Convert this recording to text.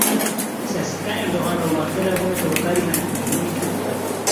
سیاسەتەکانی ئەردۆغان لە وڵاتەکەدا بوونەتە هۆکاری مایەپووچبوونی تورکیا